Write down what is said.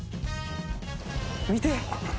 見て！